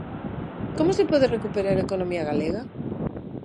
Como se pode recuperar a economía galega?